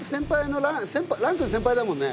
乱君先輩だもんね。